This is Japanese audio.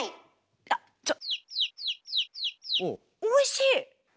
おいしい！